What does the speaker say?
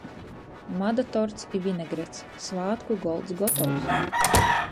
Mada torts i vinegrets. Svātku golds gotovs.